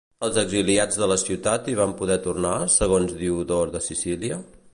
Els exiliats de la ciutat hi van poder tornar, segons Diodor de Sicília?